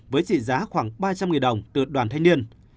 với trị giá khoảng ba trăm linh đồng từ đoàn thanh niên